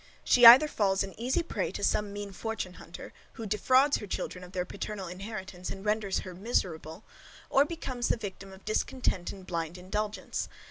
She either falls an easy prey to some mean fortune hunter, who defrauds her children of their paternal inheritance, and renders her miserable; or becomes the victim of discontent and blind indulgence.